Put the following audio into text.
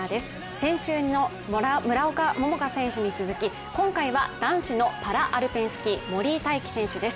先週の村岡桃佳選手に続き今回は男子のパラアルペンスキー、森井大輝選手です。